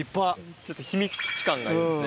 ちょっと秘密基地感がありますね。